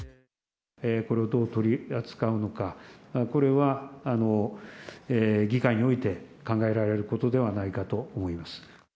これをどう取り扱うのか、これは議会において考えられることではないかと思います。